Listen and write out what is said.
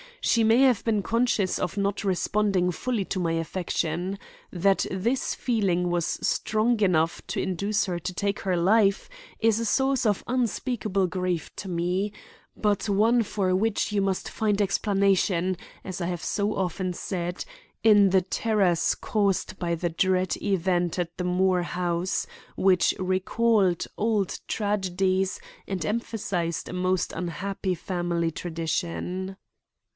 She may have been conscious of not responding fully to my affection. That this feeling was strong enough to induce her to take her life is a source of unspeakable grief to me, but one for which you must find explanation, as I have so often said, in the terrors caused by the dread event at the Moore house, which recalled old tragedies and emphasized a most unhappy family tradition."